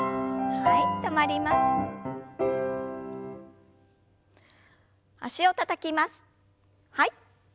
はい。